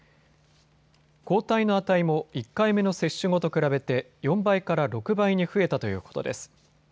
抗体の値も１回目の接種後と比べて４倍から６倍に増えたということです。